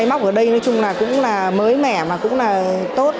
móc ở đây nói chung là cũng là mới mẻ mà cũng là tốt